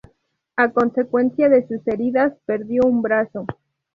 A consecuencia de sus heridas perdió un brazo.